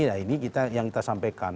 nah ini yang kita sampaikan